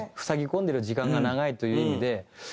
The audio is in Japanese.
塞ぎ込んでる時間が長いという意味で。